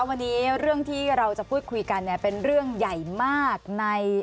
วันนี้เรื่องที่เราจะพูดคุยกันเนี่ยเป็นเรื่องใหญ่มากใน